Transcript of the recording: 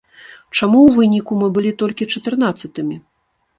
Чаму ў выніку мы былі толькі чатырнаццатымі?